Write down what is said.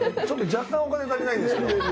ちょっと若干お金足りないんですけど。